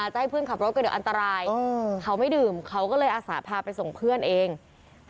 ใช่เพื่อนไม่มีรถไงแต่เขามีรถ